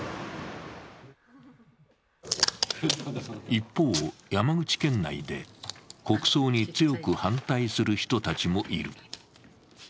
一方、山口県内で国葬に強く反対する人たちもいる。